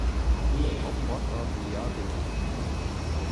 Hauptort war Villard-de-Lans.